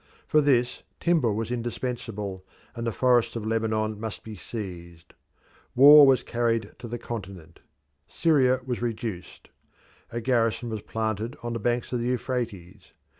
For this, timber was indispensable, and the forests of Lebanon must be seized. War was carried to the continent. Syria was reduced. A garrison was planted on the banks of the Euphrates.